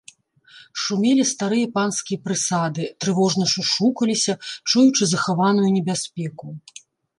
Шумелі старыя панскія прысады, трывожна шушукаліся, чуючы захаваную небяспеку.